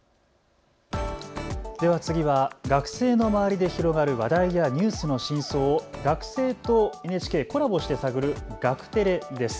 では次は学生の周りで広がる話題やニュースの深層を学生とＮＨＫコラボして探るガクテレです。